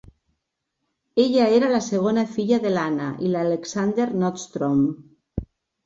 Ella era la segona filla de l"Anna i l"Alexander Nordstrom.